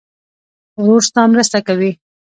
ورور ستا مرسته کوي.